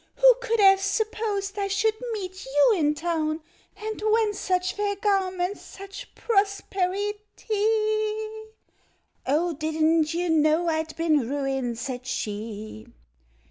Who could have supposed I should meet you in Town? And whence such fair garments, such prosperi ty?"— "O didn't you know I'd been ruined?" said she.